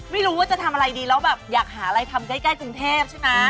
ไม่รู้ว่าจะทำอะไรดีแล้วแบบอยากหาอะไรทำใกล้กรุงเทพใช่ไหม